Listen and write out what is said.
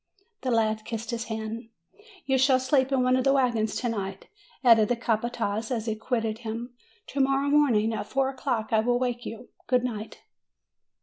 The lad kissed his hand. "You shall sleep in one of the wagons to night," added the capataz, as he quitted him; "to morrow morning, at four o'clock, I will wake you. Good night."